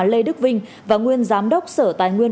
lê đức vinh và nguyên giám đốc sở tài nguyên